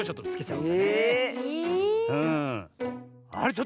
うん。